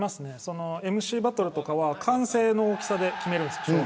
ＭＣバトルとかは歓声の大きさで決めるんです。